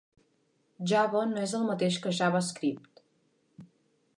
Java no és el mateix que JavaScript.